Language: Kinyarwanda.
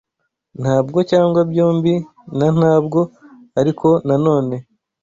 ntabwo cyangwa byombi na ntabwo ariko nanone